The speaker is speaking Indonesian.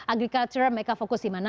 agriculture mereka fokus di mana